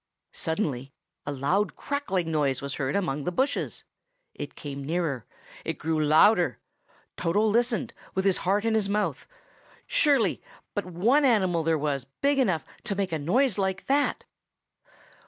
Suddenly a loud crackling noise was heard among the bushes. It came nearer; it grew louder. Toto listened, with his heart in his mouth. Surely, but one animal there was big enough to make a noise like that.